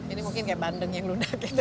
ini mungkin kayak bandeng yang lunak itu